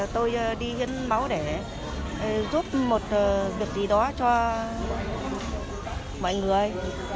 tôi đi hiến máu để giúp một việc gì đó cho mọi người